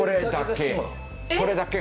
これだけ。